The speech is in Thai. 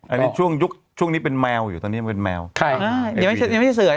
อันนี้ช่วงยุคช่วงนี้เป็นแมวอยู่ตอนนี้ยังเป็นแมวใช่อ่ายังไม่ยังไม่สวย